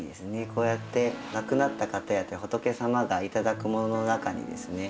こうやって亡くなった方や仏様が頂くものの中にですね